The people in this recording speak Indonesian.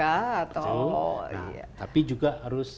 atau tapi juga harus